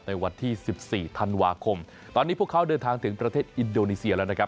ในวันที่๑๔ธันวาคมตอนนี้พวกเขาเดินทางถึงประเทศอินโดนีเซียแล้วนะครับ